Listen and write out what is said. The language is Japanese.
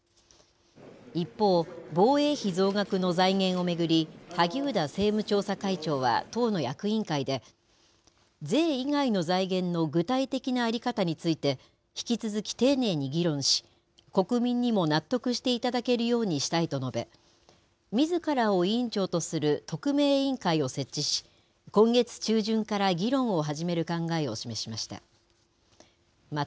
一方、防衛費増額の財源を巡り、萩生田政務調査会長は、党の役員会で、税以外の財源の具体的な在り方について、引き続き丁寧に議論し、国民にも納得していただけるようにしたいと述べ、みずからを委員長とする特命委員会を設置し、今月中旬から議論を始める考えを示しました。